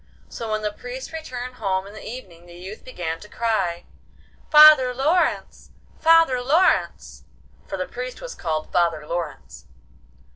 So when the Priest returned home in the evening the youth began to cry, 'Father Lawrence! Father Lawrence! 'for the Priest was called Father Lawrence.